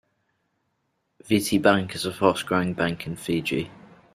Viti Bank is a fast growing bank in Fiji.